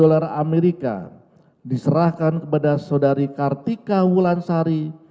seratus usd diserahkan kepada saudari kartika wulansari